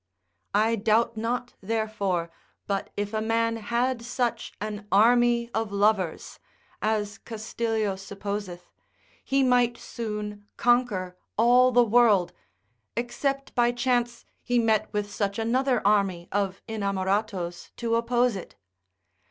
I doubt not, therefore, but if a man had such an army of lovers (as Castilio supposeth) he might soon conquer all the world, except by chance he met with such another army of inamoratos to oppose it.